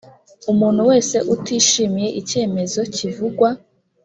umuntu wese utishimiye icyemezo kivugwa